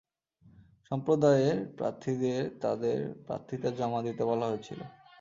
সম্প্রদায়ের প্রার্থীদের তাদের প্রার্থীতা জমা দিতে বলা হয়েছিল।